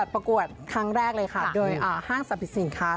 ประกวดครั้งแรกเลยค่ะโดยห้างสรรพสินค้า